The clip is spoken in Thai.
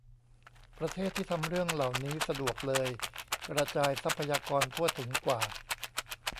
ประเทศที่ทำเรื่องเหล่านี้สะดวกเลยกระจายทรัพยากรทั่วถึงกว่า ?